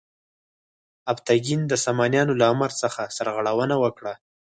الپتکین د سامانیانو له امر څخه سرغړونه وکړه.